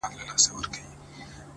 o دا کيږي چي زړه له ياده وباسم ـ